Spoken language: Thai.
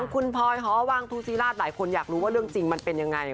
คุณพลอยหอวังทูศิราชหลายคนอยากรู้ว่าเรื่องจริงมันเป็นยังไง